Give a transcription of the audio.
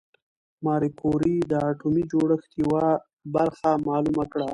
ماري کوري د اتومي جوړښت یوه برخه معلومه کړه.